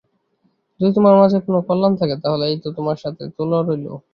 যদি তোমার মাঝে কোন কল্যাণ থাকে তাহলে এই তো তোমার সাথে তলোয়ার রইল।